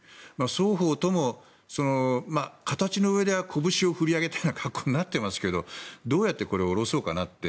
双方とも形の上ではこぶしを振り上げたような格好になっていますがどうやってこれを下ろそうかなって。